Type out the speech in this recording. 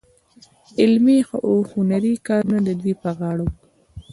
علمي او هنري کارونه د دوی په غاړه وو.